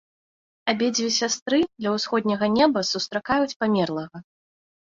Абедзве сястры ля ўсходняга неба сустракаюць памерлага.